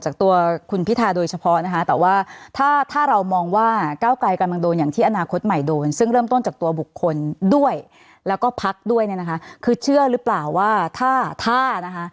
แล้วก็ไม่ต้องหวั่นวัยกับเกมการเมืองเก่าแบบนี้อีกต่อไป